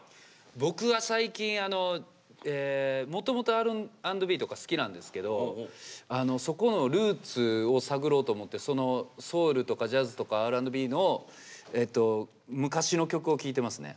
僕は最近もともとＲ＆Ｂとか好きなんですけどそこのルーツを探ろうと思ってソウルとかジャズとかＲ＆Ｂの昔の曲を聴いてますね。